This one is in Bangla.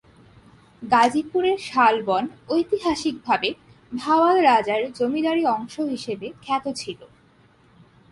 গাজীপুরের শাল বন ঐতিহাসিকভাবে ভাওয়াল রাজার জমিদারী অংশ হিসেবে খ্যাত ছিল।